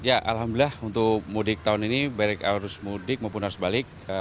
ya alhamdulillah untuk mudik tahun ini baik arus mudik maupun arus balik